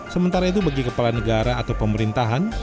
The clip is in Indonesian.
sementara itu bagi kepala negara atau pemerintahan